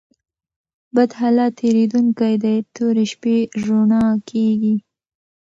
بد حالت تېرېدونکى دئ؛ توري شپې رؤڼا کېږي.